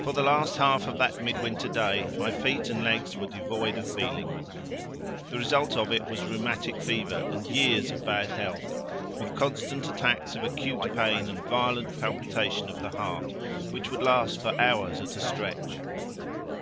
For the last half of that midwinter day my feet and legs were devoid of feeling. The result of it was rheumatic fever and years of bad health, with constant attacks of acute pain and violent palpitation of the heart which would last for hours at a stretch.